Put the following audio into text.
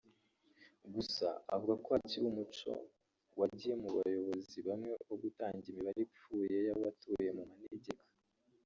Gusa avuga ko hakiri umuco wagiye mu bayobozi bamwe wo gutanga imibare ipfuye y’abatuye mu manegeka